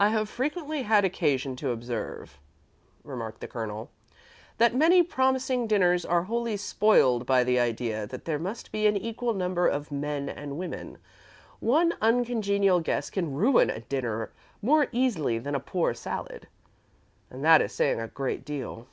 "I have frequently had occasion to observe," remarked the Colonel, "that many promising dinners are wholly spoiled by the idea that there must be an equal number of men and women. One uncongenial guest can ruin a dinner more easily than a poor salad and that is saying a great deal."